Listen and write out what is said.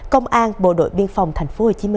công an bộ đội biên phòng tp hcm